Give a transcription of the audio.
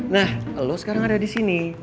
nah lo sekarang ada di sini